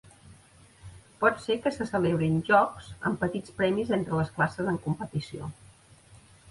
Pot ser que se celebrin jocs amb petits premis entre les classes en competició.